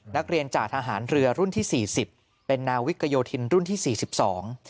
จ่าทหารเรือรุ่นที่สี่สิบเป็นนาวิกโยธินรุ่นที่สี่สิบสอง